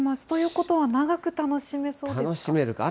ということは、長く楽しめそ楽しめる。